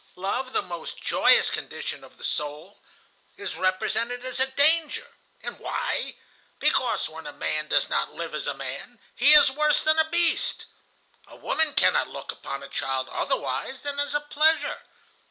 "Love, the most joyous condition of the soul, is represented as a danger. And why? Because, when a man does not live as a man, he is worse than a beast. A woman cannot look upon a child otherwise than as a pleasure.